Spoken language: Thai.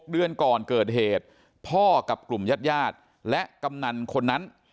เดือนก่อนเกิดเหตุพ่อกับกลุ่มญาติและกำนันคนนั้น